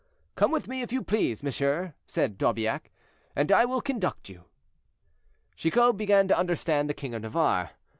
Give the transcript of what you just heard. "Come with me, if you please, monsieur," said D'Aubiac, "and I will conduct you." Chicot began to understand the king of Navarre.